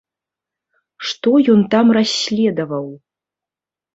Што ён там расследаваў?